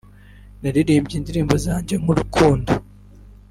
naririmbye indirimbo zanjye nk’urukundo